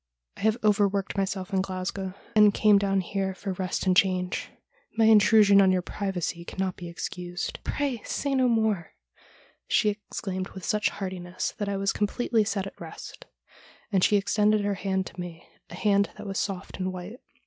I have overworked myself in Glasgow, and came down here for rest and change. My intrusion on your privacy cannot be excused '' Pray say no more,' she exclaimed with such heartiness that I was completely set at rest, and she extended her hand to me — a hand that was soft and white.